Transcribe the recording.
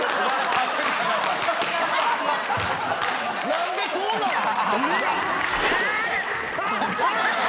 何でこうなんの？